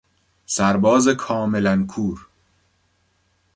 سرباز کاملا کور